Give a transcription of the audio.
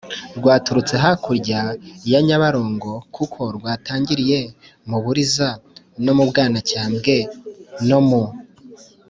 rwaturutse hakurya ya nyabarongo, kuko rwatangiriye mu buriza no mu bwanacyambwe no mu